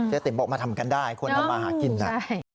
ใช่เจ๊ติมบอกมาทำกันได้ควรทำมาหากินน่ะ